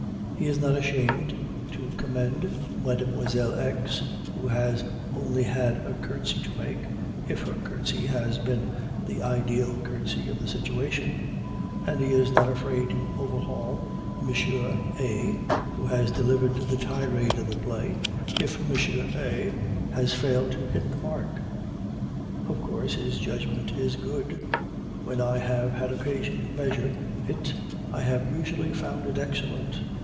He is not ashamed to commend Mlle. X., who has only had a curtsy to make, if her curtsy has been the ideal curtsy of the situation; and he is not afraid to overhaul M. A., who has delivered the tirade of the play, if M. A., has failed to hit the mark. Of course his judgment is good; when I have had occasion to measure it I have usually found it excellent.